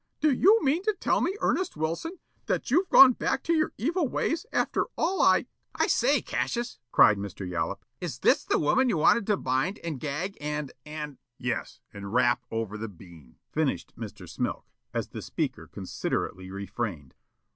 "Do you mean to tell me, Ernest Wilson, that you've gone back to your evil ways after all I, " "I say, Cassius," cried Mr. Yollop, "is this the woman you wanted to bind and gag and and " "Yes, and rap over the bean," finished Mr. Smilk, as the speaker considerately refrained.